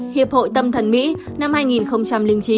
hiệp hội tâm thần mỹ năm hai nghìn chín